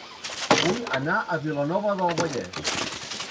Vull anar a Vilanova del Vallès